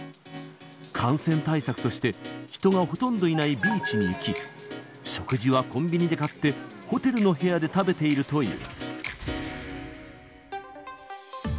感染対策として、人がほとんどいないビーチに行き、食事はコンビニで買って、ホテルの部屋で食べているという。